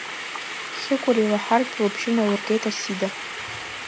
Хьыкәыр илаҳартә лыбжьы налыргеит Асида.